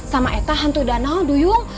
sama eka hantu danau duyung